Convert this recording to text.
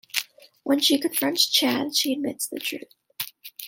When she confronts Chad, he admits the truth.